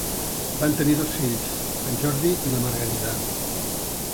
Van tenir dos fills, en Jordi i la Margarida.